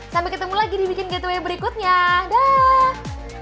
sampai ketemu lagi di bikin gateway berikutnya dah